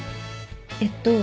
えっと